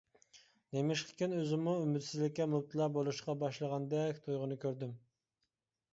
نېمىشقىكىن، ئۆزۈممۇ ئۈمىدسىزلىككە مۇپتىلا بولۇشقا باشلىغاندەك تۇيغۇنى كۆردۈم.